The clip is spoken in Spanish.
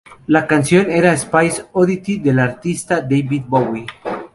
La canción era Space Oddity y el artista era David Bowie.